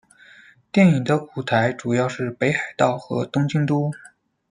电影的舞台主要是北海道和东京都。